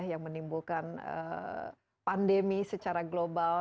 yang menimbulkan pandemi secara global